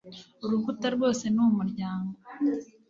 Urukuta rwose ni umuryango.